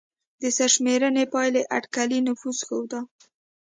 د سرشمېرنې پایلې اټکلي نفوس ښوده.